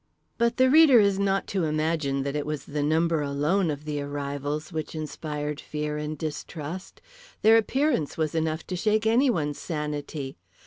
But the reader is not to imagine that it was the number alone of the arrivals which inspired fear and distrust—their appearance was enough to shake anyone's sanity.